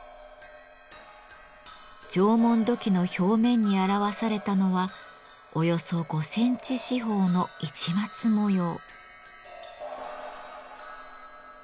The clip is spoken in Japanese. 縄文土器の表面に表されたのはおよそ５センチ四方の市松模様。